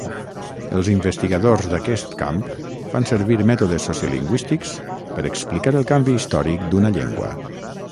Els investigadors d'aquest camp fan servir mètodes sociolingüístics per explicar el canvi històric d'una llengua.